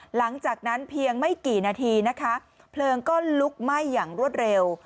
หลังจากนั้นเพียงไม่กี่นาทีนะคะเพลิงก็ลุกไหม้อย่างรวดเร็ว